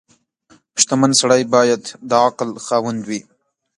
• شتمن سړی باید د عقل خاوند وي.